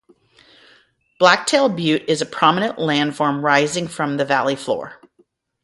Blacktail Butte is a prominent landform rising from the valley floor.